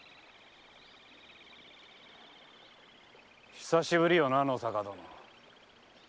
久しぶりよな野坂殿。